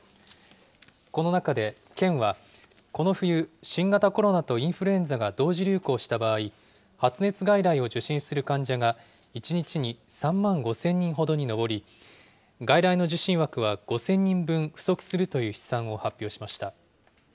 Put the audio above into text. この中で県は、この冬、新型コロナとインフルエンザが同時流行した場合、発熱外来を受診する患者が１日に３万５０００人ほどに上り、外来の受診枠は５０００人分不足するという試算を発表しました。